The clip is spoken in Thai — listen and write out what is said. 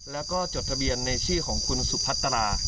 แล้วก็จดทะเบียนในชื่อของคุณสุพัตรา